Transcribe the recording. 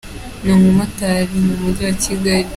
Ni umumotari mu mugi wa Kigali.